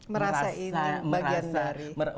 merasa ini bagian dari